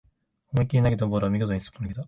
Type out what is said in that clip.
思いっきり投げたボールは見事にすっぽ抜けた